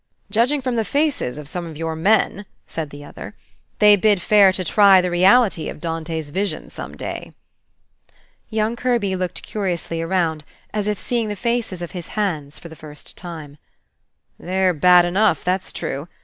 "Judging from some of the faces of your men," said the other, "they bid fair to try the reality of Dante's vision, some day." Young Kirby looked curiously around, as if seeing the faces of his hands for the first time. "They're bad enough, that's true.